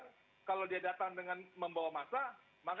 karena kalau dia datang dengan membawa masa